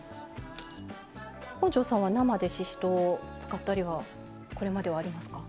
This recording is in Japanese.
本上さんは生でししとうを使ったりはこれまではありますか？